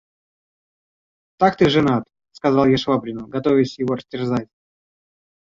«Так ты женат!» – сказал я Швабрину, готовяся его растерзать.